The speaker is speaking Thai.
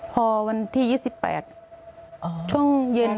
พอวันที่๒๘ช่วงเย็น